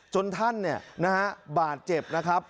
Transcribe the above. ท่านบาดเจ็บนะครับ